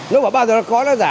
nó bảo bao giờ nó có nó giả